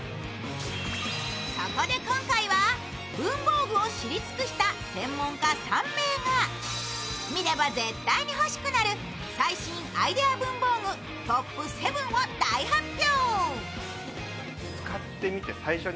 そこで今回は、文房具を知り尽くした専門家３名が見れば絶対欲しくなる最新アイデア文房具トップ７を大発表。